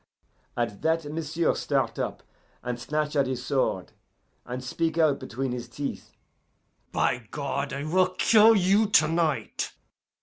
"At that m'sieu' start up and snatch at his sword, and speak out between his teeth, 'By God, I will kill you to night!